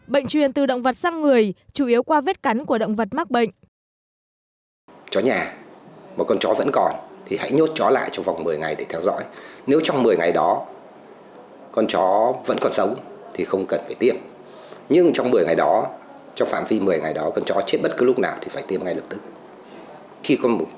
bệnh truyền từ động vật sang người chủ yếu qua vết cắn của động vật mắc bệnh